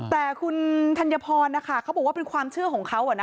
แต่คุณธัญพรนะคะเขาบอกว่าเป็นความเชื่อของเขา